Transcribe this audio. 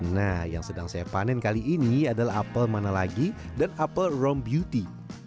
nah yang sedang saya panen kali ini adalah apel mana lagi dan apel rome beauty